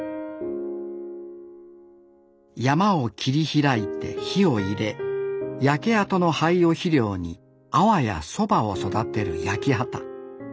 山を切り開いて火を入れ焼け跡の灰を肥料に粟やそばを育てる焼き畑。